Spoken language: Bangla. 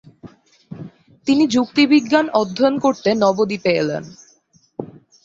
তিনি যুক্তিবিজ্ঞান অধ্যয়ন করতে নবদ্বীপে এলেন।